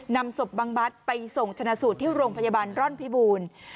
นำศพบังบัตรไปส่งชนะสูตรที่โรงพยาบาลร่อนพิบูรณ์